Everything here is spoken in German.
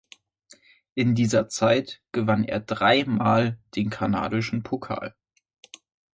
In dieser Zeit gewann er dreimal den kanadischen Pokal.